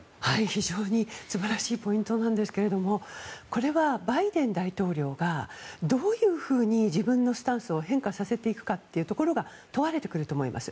非常に素晴らしいポイントなんですがこれはバイデン大統領がどういうふうに自分のスタンスを変化させていくかというところが問われてくると思います。